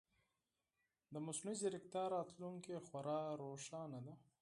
د مصنوعي ځیرکتیا راتلونکې خورا روښانه ده.